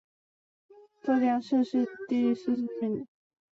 浙江乡试第四十七名。